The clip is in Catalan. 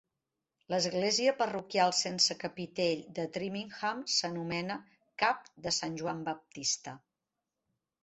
L'església parroquial sense capitell de Trimingham s'anomena Cap de Sant Joan Baptista.